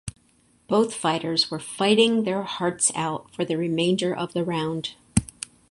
Both fighters were fighting their hearts out for the remainder of the round.